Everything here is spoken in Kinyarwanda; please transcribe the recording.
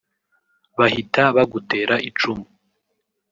bahita bagutera icumu